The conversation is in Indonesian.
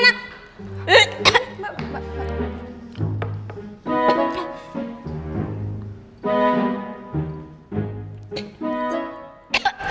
mbak kenapa mbak